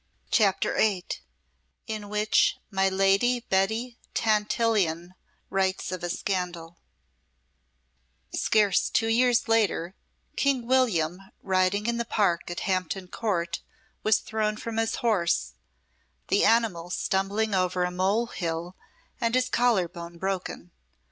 CHAPTER VIII In which my Lady Betty Tantillion writes of a Scandal Scarce two years later, King William riding in the park at Hampton Court was thrown from his horse the animal stumbling over a mole hill and his collar bone broken.